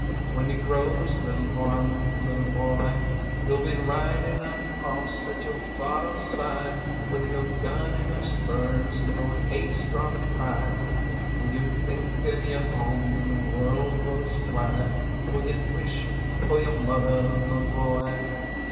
"When y'u grows, little varmint, lillie boy, Y'u'll be ridin' a hawss at yo' fatheh's side, With you' gun and yo' spurs and yo' haidstrong pride: Will y'u think of yo' home when the world rolls wide Will y'u wish fo' yo' motheh, lillie boy?"